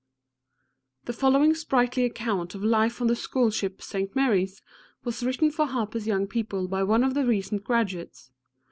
[The following sprightly account of life on the school ship St. Mary's was written for HARPER'S YOUNG PEOPLE by one of the recent graduates.